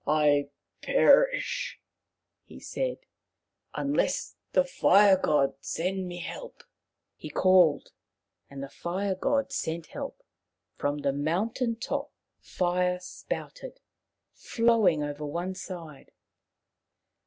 " I perish," he said, unless the Fire god send me help." He called, and the Fire god sent help; from the mountain top fire spouted, flowing over one side.